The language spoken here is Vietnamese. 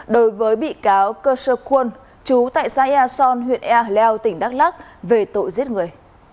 đối với bị cáo kershaw kwon chú tại saia son huyện ea leo tỉnh đắk lắc về tội giết người